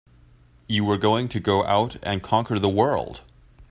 You were going to go out and conquer the world!